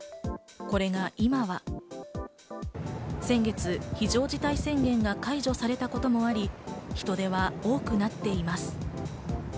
これが今は先月、非常事態宣言が解除されたこともあり、人出は多くなっています。